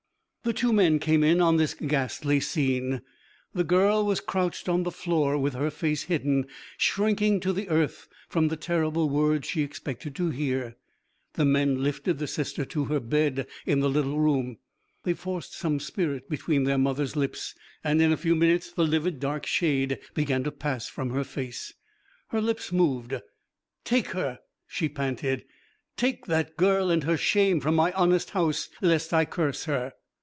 The two men came in on this ghastly scene. The girl was crouched on the floor with her face hidden, shrinking to the earth from the terrible words she expected to hear. The men lifted the sister to her bed in the little room. They forced some spirit between their mother's lips, and in a few minutes the livid dark shade began to pass from her face. Her lips moved. 'Take her,' she panted, 'take that girl and her shame from my honest house, lest I curse her.'